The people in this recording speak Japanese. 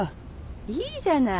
いいじゃない。